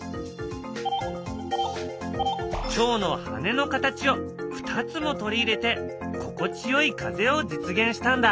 チョウの羽の形を２つも取り入れて心地よい風を実現したんだ。